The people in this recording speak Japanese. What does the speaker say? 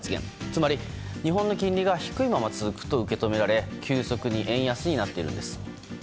つまり、日本の金利が低いまま続くと受け止められ急速に円安になっているんです。